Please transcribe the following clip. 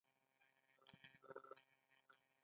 د هند مساله جات نړۍ ته ځي.